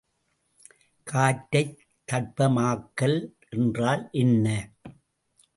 காற்றைத் தட்பமாக்கல் என்றால் என்ன?